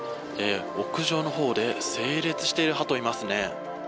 屋上のほうで整列しているハトがいますね。